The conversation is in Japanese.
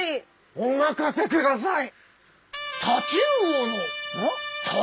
お任せください！